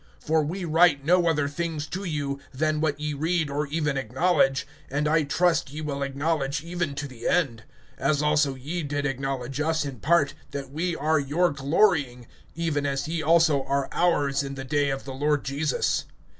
(13)For we write no other things to you, than what ye read or even acknowledge, and I trust ye will acknowledge even to the end; (14)as also ye did acknowledge us in part, that we are your glorying, even as ye also are ours in the day of the Lord Jesus.